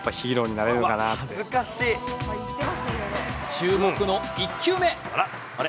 注目の１球目。